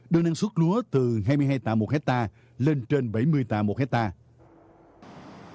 đưa năng suất lúa từ hai mươi hai tạ một hectare lên trên bảy mươi tạ một hectare